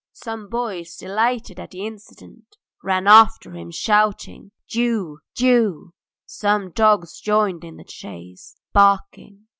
Some boys, delighted at the incident, ran after him shouting "Jew! Jew!" Some dogs joined in the chase barking.